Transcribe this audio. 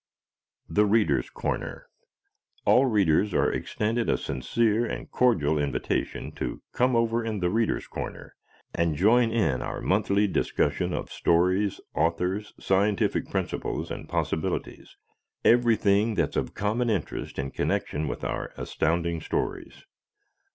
"The Readers' Corner" All Readers are extended a sincere and cordial invitation to "come over in 'The Readers' Corner'" and join in our monthly discussion of stories, authors, scientific principles and possibilities everything that's of common interest in connection with our Astounding Stories.